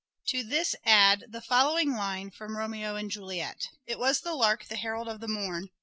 To this add the following line from " Romeo and Juliet ":" It was the lark the herald of the morn."